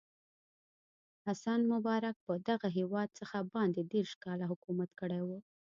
حسن مبارک پر دغه هېواد څه باندې دېرش کاله حکومت کړی و.